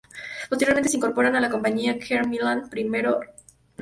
Posteriormente se incorporan a la compañía Carme Milán i Raimon Ferrer.